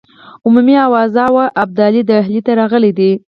عمومي آوازه وه ابدالي ډهلي ته راغلی دی.